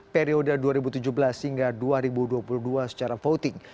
periode dua ribu tujuh belas hingga dua ribu dua puluh dua secara voting